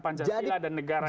pancasila dan negara ini